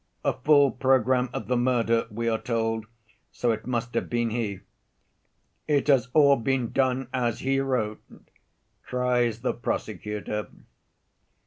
A full program of the murder, we are told, so it must have been he. 'It has all been done as he wrote,' cries the prosecutor.